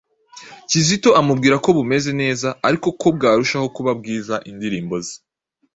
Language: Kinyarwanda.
Kizito amubwira ko bumeze neza ariko ko bwarushaho kuba bwiza indirimbo ze